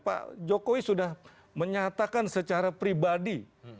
pak jokowi sudah menyatakan secara pribadi